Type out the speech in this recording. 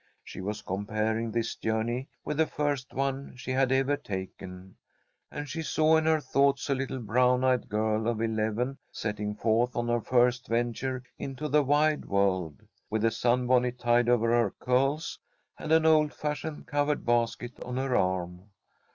She was comparing this journey with the first one she had ever taken. And she saw in her thoughts a little brown eyed girl of eleven, setting forth on her first venture into the wide world, with a sunbonnet tied over her curls, and an old fashioned covered basket on her arm.